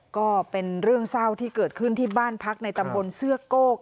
ก็เป็นเรื่องเศร้าที่เกิดขึ้นที่บ้านพักในตำบลเสื้อโก้